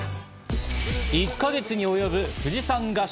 １か月に及ぶ富士山合宿。